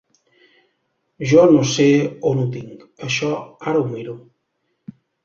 Jo no sé on ho tinc, això, ara ho miro.